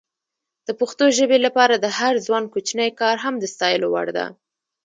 د پښتو ژبې لپاره د هر ځوان کوچنی کار هم د ستایلو وړ ده.